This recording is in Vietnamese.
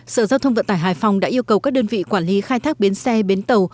sở giao thông vận tải hải phòng đã yêu cầu các đơn vị quản lý khai thác biến xe bến tàu